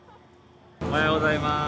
おはようございます。